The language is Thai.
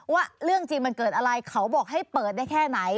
ว่าเรื่องจริงมันเกิดอะไรเขาบอกให้เปิดได้แค่ไหน